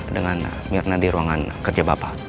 dengan mirna di ruangan kerja bapak